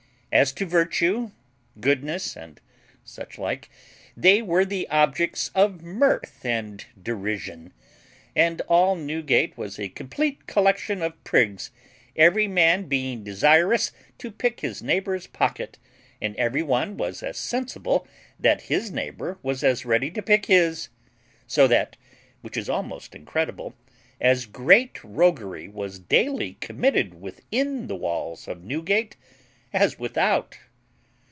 As to virtue, goodness, and such like, they were the objects of mirth and derision, and all Newgate was a complete collection of prigs, every man being desirous to pick his neighbour's pocket, and every one was as sensible that his neighbour was as ready to pick his; so that (which is almost incredible) as great roguery was daily committed within the walls of Newgate as without.